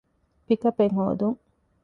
ޕިކަޕެއް ހޯދުން